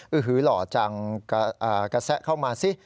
ื้อหือหล่อจังกระแสะเข้ามาสิ